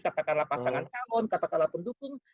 katakanlah pasangan calon katakanlah pendukung